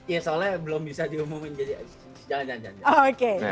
ya soalnya belum bisa diumumin jadi jangan jangan